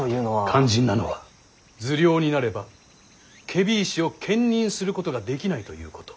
肝心なのは受領になれば検非違使を兼任することができないということ。